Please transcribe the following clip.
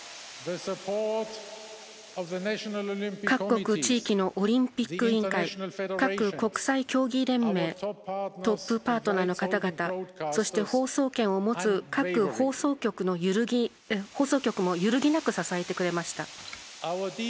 各国地域のオリンピック委員会各国際競技連盟トップパートナーの方々そして放送権を持つ各放送局も揺るぎなく支えてくれました。